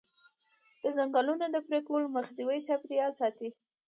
د ځنګلونو د پرې کولو مخنیوی چاپیریال ساتي.